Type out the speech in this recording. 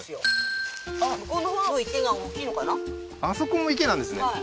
あそこも池なんですね